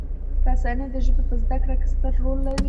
رسنۍ د ژبې په زده کړې کې ستر رول لري.